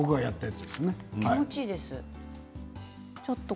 気持ちいいです。